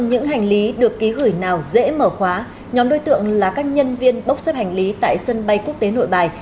những hành lý được ký gửi nào dễ mở khóa nhóm đối tượng là các nhân viên bốc xếp hành lý tại sân bay quốc tế nội bài